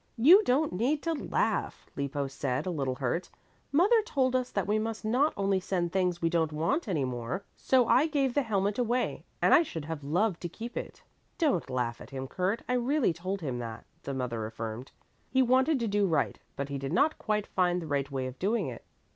"You don't need to laugh!" Lippo said, a little hurt. "Mother told us that we must not only send things we don't want any more. So I gave the helmet away and I should have loved to keep it." "Don't laugh at him, Kurt; I really told him that," the mother affirmed. "He wanted to do right but he did not quite find the right way of doing it.